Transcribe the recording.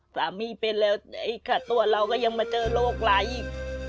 สามีเป็นแล้วไอ้ขาดตัวเราก็ยังมาเจอโรคไร้